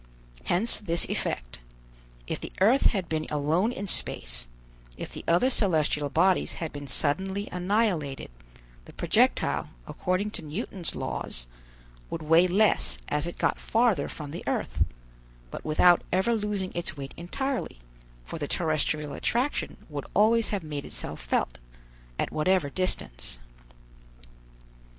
Hence this effect: If the earth had been alone in space, if the other celestial bodies had been suddenly annihilated, the projectile, according to Newton's laws, would weigh less as it got farther from the earth, but without ever losing its weight entirely, for the terrestrial attraction would always have made itself felt, at whatever distance.